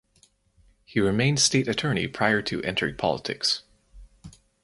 He remained State Attorney prior to entering politics.